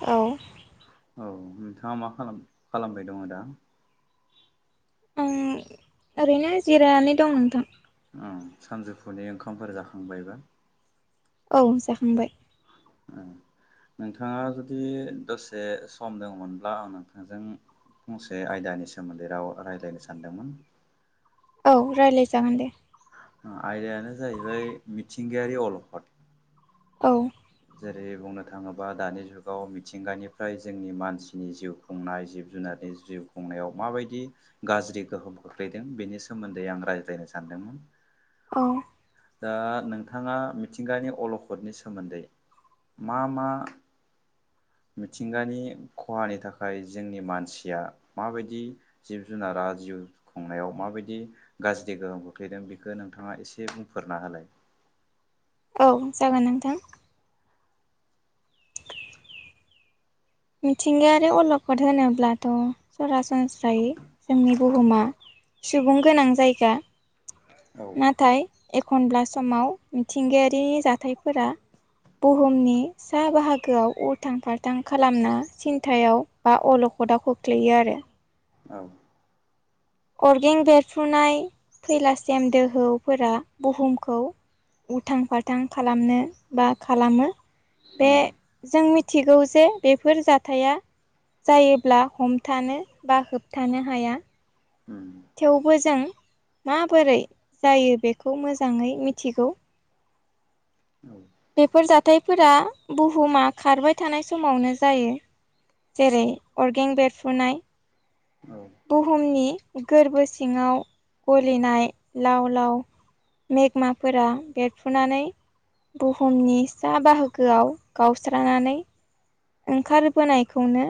औ औ नोंथाङा मा खालाम खालामबाय दङ दा आं ओरैनो जिरायनानै दं नोंथां सानजौफुनि ओंखामफोर जाखांबायबा औ जाखांबाय औ नोंथाङा जुदि दसे सम दङमोनब्ला आं नोंथांजों फंसे आयदानि सोमोन्दै राव रायज्लायनो सानदोंमोन औ रायलाय जागोन दे आयदायानो जाहैबाय मिथिंगायारि अलखद औ जेरै बुंनो थाङोबा दानि जुगाव मिथिंगानिफ्राय जोंनि मानसिनि जिउ खुंनाय जिब जुनार जिउ खुंनायाव माबायदि गाज्रि गोहोम खोख्लैदों बेनि सोमोन्दै आं रायज्लायनो सानदोंमोन औ दा नोंथाङा मिथिंगानि अलखदनि सोमोन्दै मा मा मिथिंगानि खहानि थाखाय जोंनि मानसिया माबायदि जिब जुनारा जिउ खुंनायाव माबायदि गाज्रि गोहोम खोख्लैदों बेखौ नोंथाङा एसे बुं फोरना होलाय औ जागोन नोंथां मिथिंगायारि अलखद होनोब्लाथ' सरासनस्रायै जोंनि बुहुमा सुबुं गोनां जायगा औ नाथाय एखनब्ला समाव मिथिंगायारि जाथायफोरा बुहुमनि सा बाहागोआव उल्थां फाल्थां खालामना सिन्थायाव बा अल खदाव खोख्लैयो आरो। औ अरगें बेरफ्रुनाय फैलासेम दोहौफोरा बुहुमखौ उथां फाथां खालामनो बा खालामो। बे उम जों मिथिगौ जे बेफोर जाथाया जायोब्ला हमथानो बा होबथानो हाया। उम थेवबो जों माबोरै जायो बेखौ मोजाङै मिथिगौ। औ बेफोर जाथायफोरा बुहुमा खारबाय थानाय समावनो जायो। जेरै अरगें बेरफुनाय। औ बुहुमनि गोरबो सिङाव गलिनाय लाव लाव मेगमाफोरा बेरफ्रुनानै बुहुमनि सा बाहागोआव गावस्रानानै ओंखारबोनायखौनो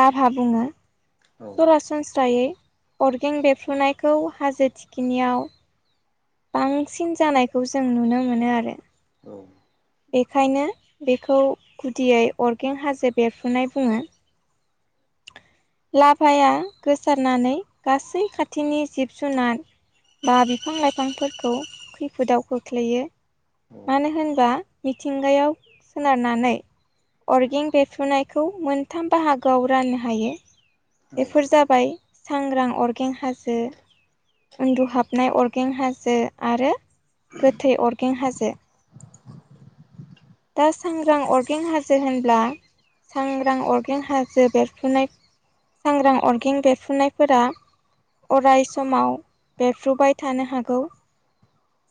लाभा बुङो। औ सरासनस्रायै अरगें बेफ्रुनायखौ हाजो थिखिनियाव बांसिन जानायखौ जों नुनो मोनो आरो। औ बेखायनो बेखौ गुदियै अरगें हाजो बेरफुनाय बुङो। लाभाया गोसारनानै गासै खाथिनि जिब जुनार बा बिफां लाइफांफोरखौ खैफोदाव खोख्लैयो। मानो होनबा मिथिंगायाव सोनारनानै अर्गें बेरफ्रुनायखौ मोनथाम बाहागोआव राननो हायो। औ बेफोर जाबाय सांग्रां अरगें हाजो, उन्दुहाबनाय अरगें हाजो आरो गोथै अरगें हाजो। दा सांग्रां अर्गें हाजो होनब्ला सांग्रां अर्गेंन हाजो बेरफुनाय सांग्रां अर्गें बेरफुनायफोरा अराय समाव बेरफ्रुबाय थानो हागौ।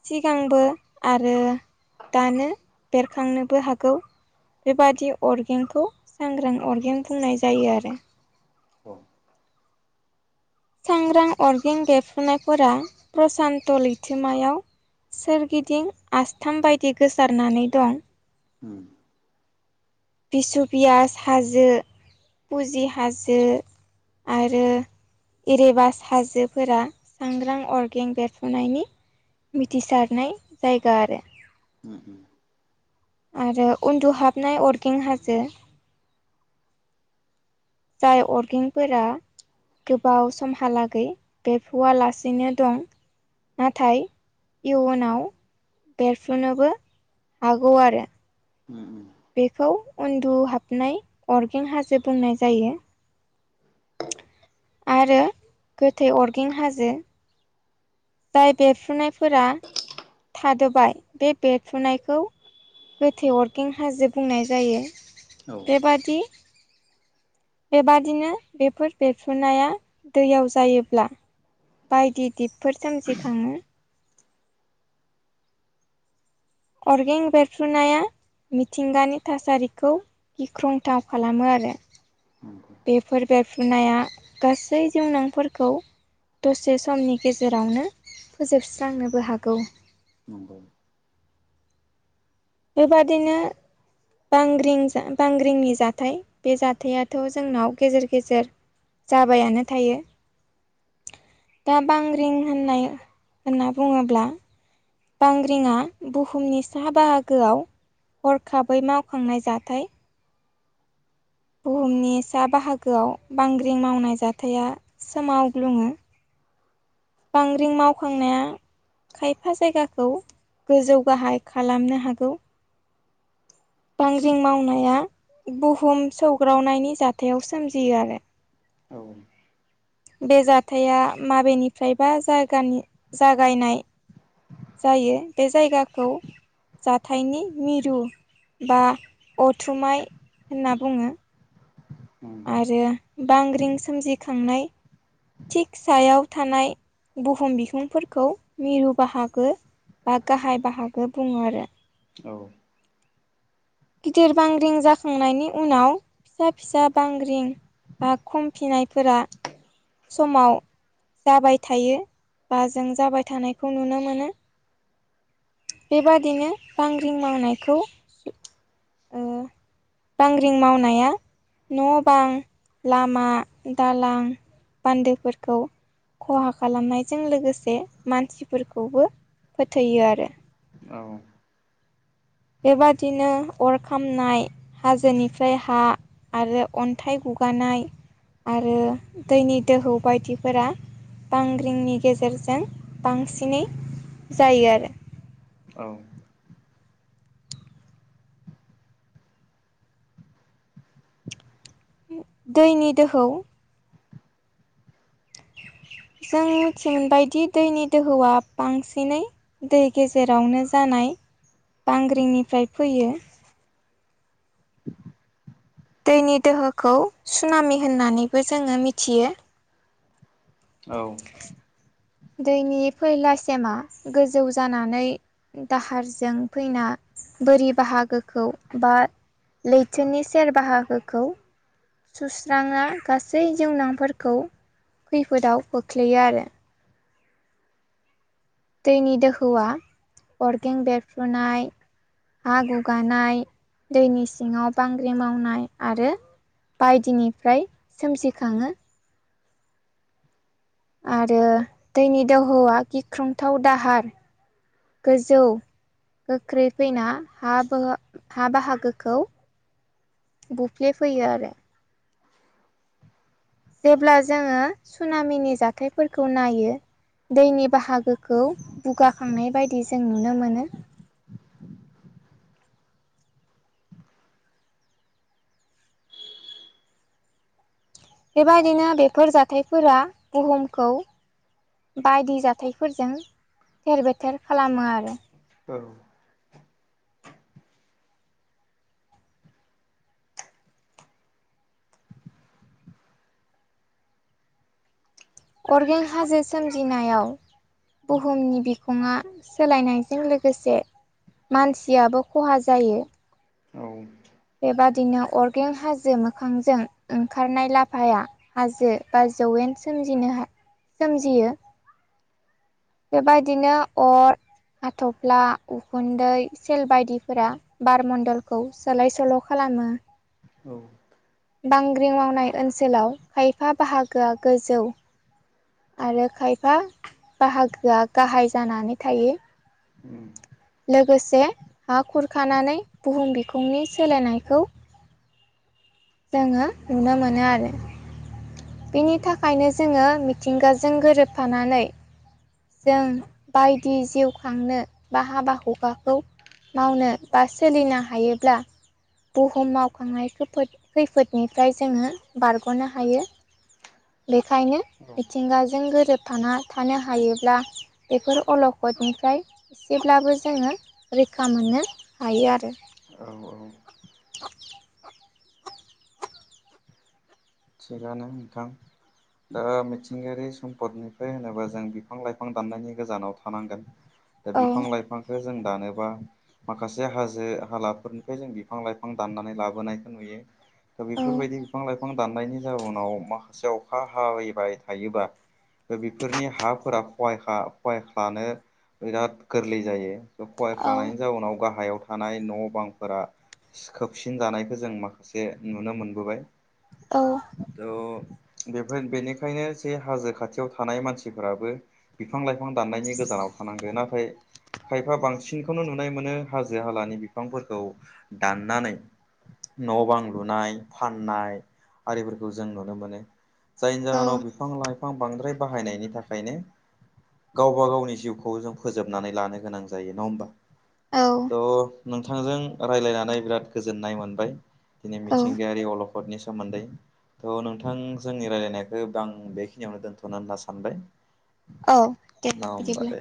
सिगांबो आरो दानो बेरखांनोबो हागौ। बेबादि अरगेंखौ सांग्रां अरगें बुंनाय जायो आरो। औ सांग्रां अरगें बेफ्रुनायफोरा प्रसान्त' लैथोमायाव सोरगिदिं आथाम बायदि गोसारनानै दं। उम बिसु पियास हाजो फुजि हाजो। आरो इरेबास हाजोफोरा सांग्रां अरगें बेरफ्रुनायनि मिथिसारनाय जायगा आरो। उम उम। आरो उन्दुहाबनाय अरगें हाजो जाय अरगेंफोरा गोबाव समहालागै बेफुवा लासिनो दं नाथाय इयुनाव बेरफ्रुनोबो हागौ आरो। उम उम बेखौ उन्दुहाबनाय अरगें हाजो बुंनाय जायो। आरो गोथै अरगें हाजो जाय बेरफ्रुनायफोरा थादोबाय। बे बेरफ्रुनायखौ गोथै अरगें हाजो बुंनाय जायो। औ बेबादि बेबादिनो बेफोर बेरफ्रुनाया दैयाव जायोब्ला बायदि दिपफोर सोमजिखाङो। अरगें बेेरफ्रुनाया मिथिंगानि थासारिखौ गिख्रंथाव खालामो आरो नंगौ बेफोर बेफ्रुनाया गासै जिउनांफोरखौ दसे समनि गेजेरावनो फोजोबस्रांनोबो हागौ नंगौ बेबादिनो बांग्रिं जा बांग्रिंनि जाथाय बे जाथायाथ' जोंनाव गेजेर गेजेर जाबायानो थायो। दा बांग्रिं होननाय होनना बुङोब्ला बांग्रिङा बुहुमनि साहा बाहागोआव हरखाबै मावखांनाय जाथाय बुहुमनि सा बाहागोआव बांग्रिं मावनाय जाथाया सोमावग्लुङो। बांग्रिं मावखांनाया खायफा जायगाखौ गोजौ गाहाय खालामनो हागौ। बांग्रिं मावनाया बुहुम सौग्रावनायनि जाथायाव सोमजियो आरो औ औ बे जाथाया माबेनिफ्रायबा जागानि जागायनाय जायो बे जायगाखौ जाथायनि मिरु बा अथुमाय होनना बुङो। उम आरो बांग्रिं सोमजिखांनाय थिख सायाव थानाय बुहुम बिहुंफोरखौ मिरु बाहागो बा गाहाय बाहागो बुङो आरो औ गिदिर बांग्रिं जाखांनायनि उनाव फिसा फिसा बांग्रिं बा खमफिनायफोरा समाव जाबाय थायो बा जों जाबाय थानायखौ नुनो मोनो। बेबादिनो बांग्रिं मावनायखौ ओ [inaudible] बांग्रिं मावनाया न' बां लामा दालां बान्दोफोरखौ खहा खालामनायजों लोगोसे मानसिफोरखौबो फोथैयो आरो। औ बेबादिनो अर खामनाय हाजोनिफ्राय हा आरो अन्थाइ गु गानाय आरो दैनि दोहौ बायदिफोरा बांग्रिंनि गेजेरजों बांसिनै जायो आरो। औ दैनि दोहौ जों मिथिमोनबाय दि दैनि दोहौआ बांसिनै दै गेजेरावनो जानां [inaudible] बांग्रिंनिफ्राय फैयो। दैनि दोहोखौ सुनामि होननानैबो जोङो मिथियो। औ दैनि फैलासिमा गोजौ जानानै दाहारजों फैना बोरि बाहागोखौ बा लैथोनि सेर बाहागोखौ सुस्राङा गासै जिउनांफोरखौ खैफोदाव खोख्लैयो आरो दैनि दोहौआ अरगें बेरफ्रुनाय हा गुगानाय दैनि सिङाव बांग्रि मावनाय आरो बायदिनिफ्राय सोमजिखाङो। आरो दैनि दोहौआ गिख्रंथाव दाहार गोजौ गोख्रै फैना हा बो हा बाहागोखौ बुफ्ले फैयो आरो जेब्ला जोङो सुनामिनि जाथायफोरखौ नायो दैनि बाहागोखौ बुगाखांनाय बायदि जों नुनो मोनो। [inaudible] बेबायदिनो बेफोर जाथायफोरा बुहुमखौ बायदि जाथायफोरजों थेर बेथेर खालामो आरो। औ अरगें हाजो सोमजिनायाव बुहुमनि बिखङा सोलायनायजों लोगोसे मानसियाबो खहा जायो। बेबादिनो अरगें हाजो मोखांजों ओंखारनाय लाभाया हाजो बा ज जौयेन सोमजिनो हा सोमजियो। बेबादिनो अर हाथ'फ्ला उखुन्दै सेल बायदिफोरा बारमण्डलखौ सोलाय सोल' खालाम मो। औ बांग्रिं मावनाय ओनसोलाव खायफा बाहागोआ गोजौ आरो खायफा बाहागोआ गाहाय जानानै थायो। उम। लोगोसे हा खुरखानानै बुहुम बिखुंनि सोलायनायखौ जोङो नुनो मोनो आरो बिनि थाखायनो जोङो मिथिंगाजों गोरोबफानानै जों बायदि जिउ खांनो बा हाबा हुखाखौ मावनो बा सोलिनो हायोब्ला बुहुम मावखांनाय खैफोद खैफोदनिफ्राय जोङो बारग'नो हायो बेखायनो औ मिथिंगाजों गोरोबथाना थानो हायोब्ला बेफोर अलखदनिफ्राय एसेब्लाबो जोङो रैखा मोननो हायो आरो औ औ [inaudible] थिगानो नोंथां दा मिथिंगायारि सम्पदनिफ्राय होनोबा जों बिफां लाइफां दाननायनि गोजानाव थानांगोन दा औ बिफां लाइफांखौ जों दानोबा माखासे हाजो हालाफोरनिफ्राय जों बिफां लाइफां दाननानै लाबोनायखौ नुयो दा बेफोरबायदि औ बिफां लाइफां दाननायनि जाउनाव माखासे अखा हायैबाय थायोबा बेफोरनि हा फोराहाय खहाय खहायख्लानो बिराद गोरलै जायो। औ खहायख्लानि जाउनाव गाहायाव थानाय न' बांफोरा खोबसिन जानायखौ जों माखासे नुनो मोनबोबाय औ द बेफोर बेनिखायनो जे हाजो खाथियाव थानाय मानसिफोराबो बिफां लाइफां दाननायनि गोजानाव थानांगो नाथाय खायफा बांसिनखौनो नुनाय मोनो हाजो हालानि बिफांफोरखौ दाननानै न' बां लुनाय फाननाय आरिफोरखौ जों नुनो मोनो जायनि औ जाहोनाव बिफां लाइ फां बांद्राय बाहायनायनि थाखायनो गावबा गावनि जिउखौ जों फोजोबनानै लानो गोनां जायो नङा ओमबा औ थ' नोंथांजों रायलायनानै बिराद गोजोननाय मोनबाय दिनै औ मिथिंगायारि अलखदनि सोमोन्दै थ' नोंथां जोंनि रायलायनायखौ बां बेखिनियावनो दोनथ'नो होनना सानबाय औ दे ना होमबा बिदिब्ला दे